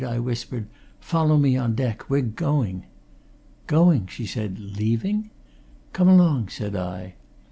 I whispered. "Follow me on deck. We're going." "Going!" she said. "Leaving?" "Come along!" said I.